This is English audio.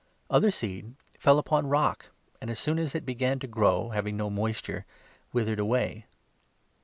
Other seed fell upon rock, 6 and, as soon as it began to grow, having no moisture, withered away.